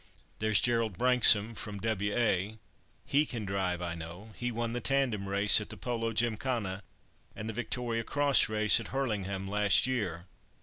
There's Gerald Branksome from W.A., he can drive, I know—he won the tandem race at the Polo Gymkhana, and the Victoria Cross race at Hurlingham last year.